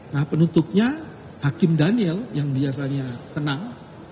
nah penutupnya hakim daniel yang biasanya tenang